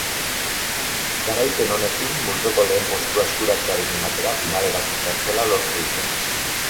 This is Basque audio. Garaipen honekin multzoko lehen postua eskuratzearekin batera finalerako txartela lortu dute.